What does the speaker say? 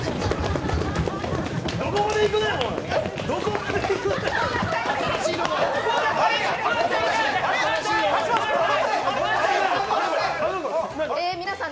どこまでいくねん！